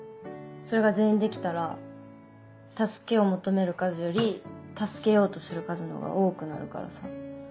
それが全員できたら助けを求める数より助けようとする数の方が多くなるからさ。